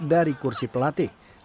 dari kursi pelatih